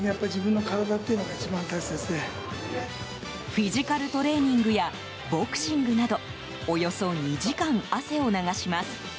フィジカルトレーニングやボクシングなどおよそ２時間、汗を流します。